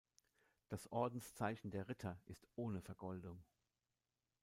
Das Ordenszeichen der Ritter ist ohne Vergoldung.